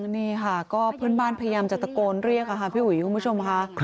นี่ค่ะก็เพื่อนบ้านพยายามจะตะโกนเรียกค่ะพี่อุ๋ยคุณผู้ชมค่ะ